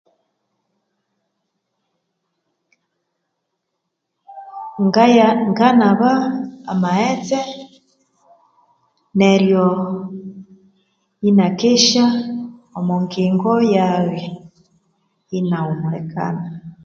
Ngaya nganaba amaghetse neryo inakesya omo ngingo yaghe inahumulikana